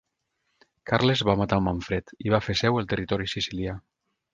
Carles va matar Manfred i va fer seu el territori sicilià.